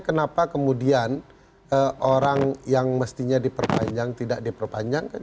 kenapa kemudian orang yang mestinya diperpanjang tidak diperpanjangkan